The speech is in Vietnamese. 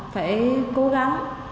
phải cố gắng